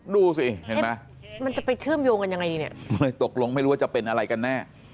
ดูสิเห็นไหมมันจะไปเชื่อมโยงกันยังไงดีเนี่ยเลยตกลงไม่รู้ว่าจะเป็นอะไรกันแน่